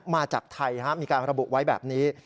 มาจากไทยมีการระบุไว้แบบนี้